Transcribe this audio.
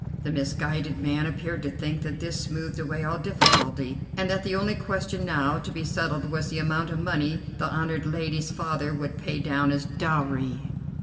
The misguided man appeared to think that this smoothed away all difficulty, and that the only question now to be settled was the amount of money the honoured lady's father would pay down as dowry.